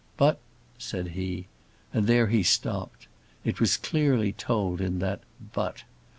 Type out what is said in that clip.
"But," said he and there he stopped. It was clearly told in that "but."